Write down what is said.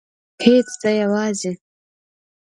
هیڅ زه یوازې